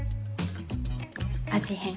味変？